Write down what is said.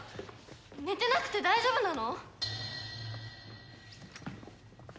寝てなくて大丈夫なの？